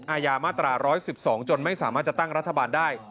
อาญามาตรา๑๑๒จนไม่สามารถจะตั้งรัฐบาลได้